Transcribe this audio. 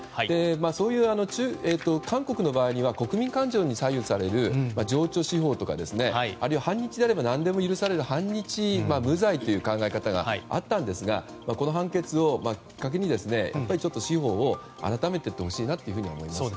そういう韓国の場合には国民感情に支配される情緒司法だったりあるいは反日であれば何でも許される反日無罪という考えがあったんですがこの判決をきっかけに、司法を改めていってほしいなと思いますね。